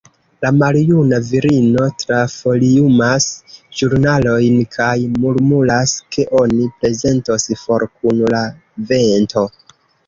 La maljuna virino trafoliumas ĵurnalojn kaj murmuras, ke oni prezentos For kun la vento.